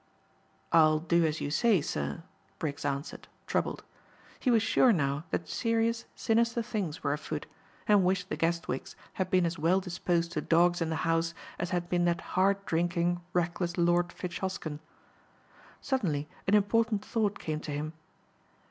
"I'll do as you say, sir," Briggs answered, troubled. He was sure now that serious sinister things were afoot and wished the Guestwicks had been as well disposed to dogs in the house as had been that hard drinking, reckless Lord Fitzhosken. Suddenly an important thought came to him.